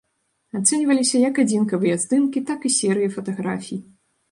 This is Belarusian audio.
Ацэньваліся як адзінкавыя здымкі, так і серыі фатаграфій.